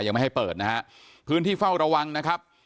ยังไม่ให้เปิดนะฮะพื้นที่เฝ้าระวังนะครับ